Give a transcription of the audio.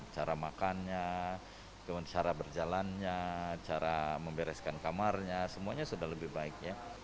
cara makannya cara berjalannya cara membereskan kamarnya semuanya sudah lebih baik